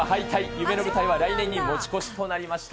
夢の舞台は来年に持ち越しとなりました。